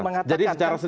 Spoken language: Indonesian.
saya mau mengatakan